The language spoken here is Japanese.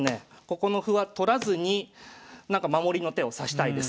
ここの歩は取らずになんか守りの手を指したいです。